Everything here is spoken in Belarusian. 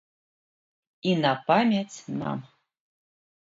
І на памяць нам.